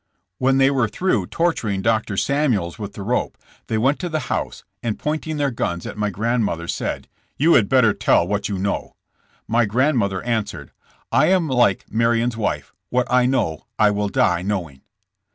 When they were through torturing Dr. Samuels with the rope, they went to the house and pointing their guns as my grandmother, said : "You had better tell what you know." My grandmother answered: "I am like Marion's wife, what I know I will die knowing."